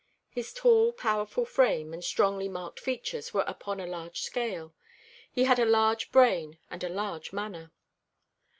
His tall, powerful frame and strongly marked features were upon a large scale. He had a large brain and a large manner.